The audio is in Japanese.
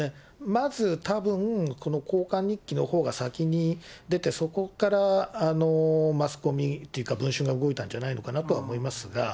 まず、たぶんこの交換日記のほうが先に出て、そこからマスコミっていうか、文春が動いたんじゃないのかなとは思いますが。